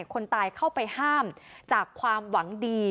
คนตายเข้าไปห้ามจากความหวังดี